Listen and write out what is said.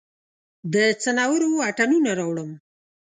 د څنورو اتڼوڼه راوړم